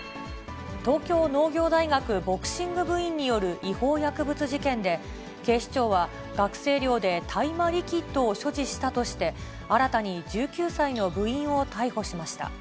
東京農業大学ボクシング部員による違法薬物事件で、警視庁は、学生寮で大麻リキッドを所持したとして、新たに１９歳の部員を逮捕しました。